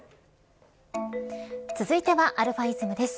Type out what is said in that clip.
続いてはαｉｓｍです。